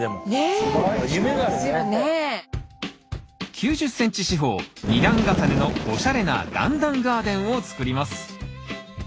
９０ｃｍ四方２段重ねのおしゃれな段々ガーデンを作ります。